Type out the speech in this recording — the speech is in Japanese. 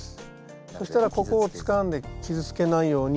そしたらここをつかんで傷つけないように。